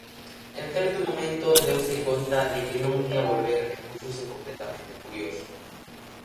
En certo momento deuse conta de que non ía volver e púxose completamente furioso.